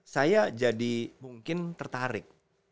saya jadi mungkin tertarik